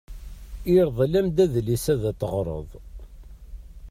Irḍel-am-d adlis ad t-teɣreḍ.